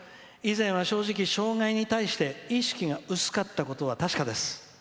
以前は、正直、障害に対して意識が薄かったことは確かです。